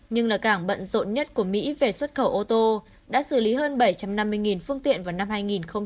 nhưng là cảng bận rộn nhất của mỹ về xuất khẩu ô tô đã xử lý hơn bảy trăm năm mươi phương tiện vào năm hai nghìn một mươi năm